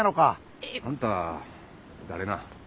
あんた誰な？